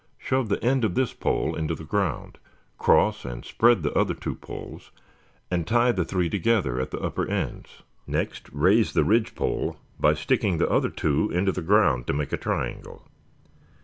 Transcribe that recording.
Shove the end of this pole into the ground, cross and spread the other two poles, and tie the three together at the upper ends. Next raise the ridge pole by sticking the other two into the ground to make a triangle.